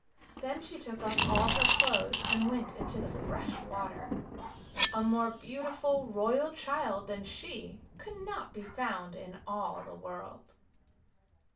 Then she took off all her clothes and went into the fresh water. A more beautiful royal child than she could not be found in all the world.